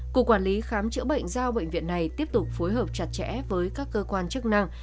cục quản lý khám chữa bệnh giao bệnh viện này tiếp tục phối hợp chặt chẽ với các cơ quan chức năng